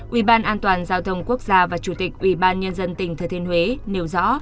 ubndgt và chủ tịch ubnd tỉnh thừa thiên huế nêu rõ